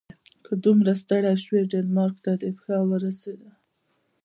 که دومره ستړی شوې ډنمارک ته دې پښه ورسیده.